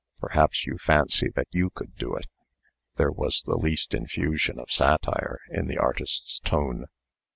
Perhaps you fancy that you could do it." There was the least infusion of satire in the artist's tone.